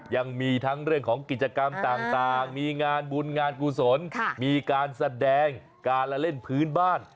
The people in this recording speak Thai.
ยังมีทั้งเรื่องของกิจกรรมต่างมีงานบุญงานกุศลมีการแสดงการละเล่นพื้นบ้าน